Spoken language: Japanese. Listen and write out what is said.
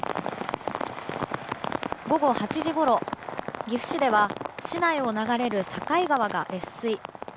午後８時ごろ、岐阜市では市内を流れる境川が越水。